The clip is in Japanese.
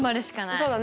そうだね。